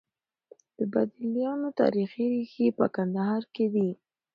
د ابدالیانو تاريخي ريښې په کندهار کې دي.